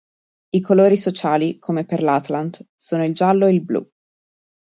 I colori sociali, come per l'Atlant, sono il giallo e il blu.